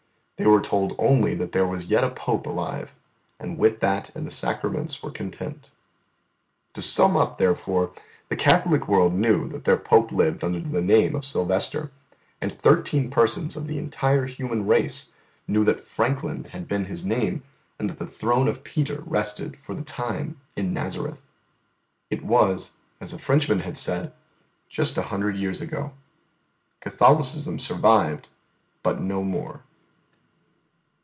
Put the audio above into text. They were told only that there was yet a Pope alive, and with that and the sacraments were content. To sum up, therefore the Catholic world knew that their Pope lived under the name of Silvester; and thirteen persons of the entire human race knew that Franklin had been His name, and that the throne of Peter rested for the time in Nazareth. It was, as a Frenchman had said, just a hundred years ago. Catholicism survived; but no more.